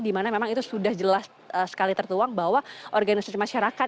dimana memang itu sudah jelas sekali tertuang bahwa organisasi masyarakat